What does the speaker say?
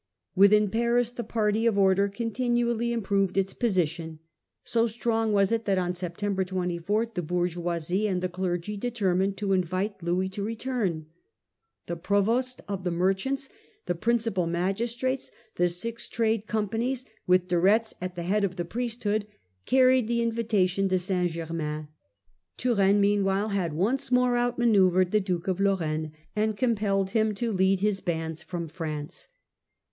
Within Paris the party of order continually improved its position. So strong was it that on September 24 the bourgeoisie and the clergy determined to invite Louis Growth of t0 return The provost of the merchants, the reaction, the principal magistrates, the six trade com panies, with De Retz at the head of the priesthood, carried the invitation to St. Germain. Turenne mean while had once more outmanoeuvred the Duke of Lor raine, and compelled him to lead his bands from France.